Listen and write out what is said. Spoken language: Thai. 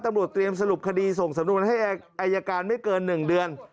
ตำลมดเตรียมสลุปคดีส่งสมมติมาให้อย่างอัยการไม่เกินหนึ่งเดือน